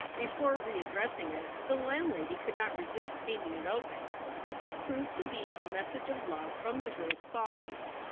Before readdressing it, the landlady could not resist steaming it open. It proved to be a message of love from the girl s father.